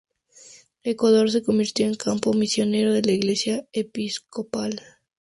Ecuador se convirtió en campo misionero de la Iglesia episcopal.